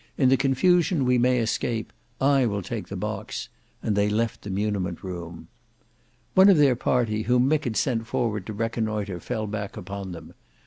"In the confusion we may escape. I will take the box," and they left the muniment room. One of their party whom Mick had sent forward to reconnoitre fell back upon them.